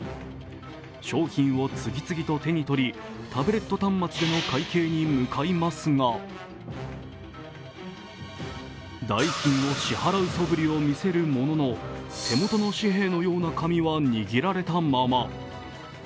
商品を次々と手に取り、タブレット端末での会計に向かいますが代金を支払うそぶりを見せるものの、手元の紙幣のような紙は握られたまま。